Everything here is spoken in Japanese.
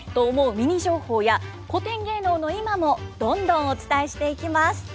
ミニ情報や古典芸能の今もどんどんお伝えしていきます。